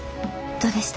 どうでした？